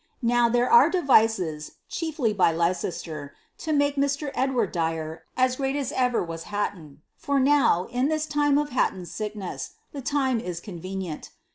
Now, there are devices ^chiefly by Leicester) to make Mr. Edward Dyer as great as ever was Hatton : for now, in this time of Hatton's sickness, the time is con venient.